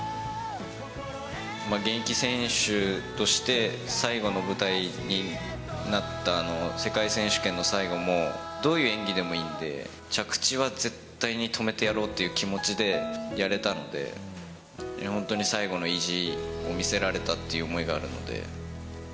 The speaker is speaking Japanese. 現役選手として最後の舞台になった世界選手権の最後も、どういう演技でもいいんで、着地は絶対に止めてやろうという気持ちでやれたので、本当に最後の意地を見せられたっていう思いがあるので。